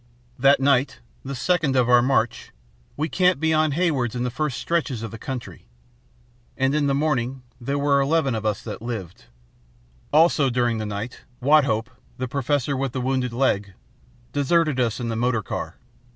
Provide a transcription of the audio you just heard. "That night, the second of our march, we camped beyond Haywards in the first stretches of country. And in the morning there were eleven of us that lived. Also, during the night, Wathope, the professor with the wounded leg, deserted us in the motor car.